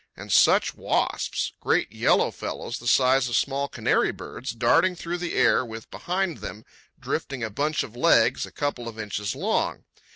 And such wasps! Great yellow fellows the size of small canary birds, darting through the air with behind them drifting a bunch of legs a couple of inches long.